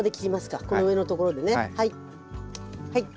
この上のところでねはい。